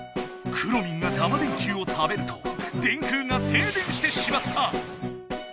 くろミンがタマ電Ｑを食べると電空が停電してしまった！